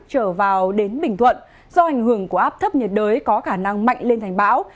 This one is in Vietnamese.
trở vào đến bình thuận do ảnh hưởng của áp thấp nhiệt đới có khả năng mạnh lên thành bão